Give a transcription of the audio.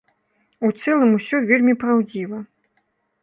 У цэлым усё вельмі праўдзіва.